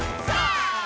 さあ！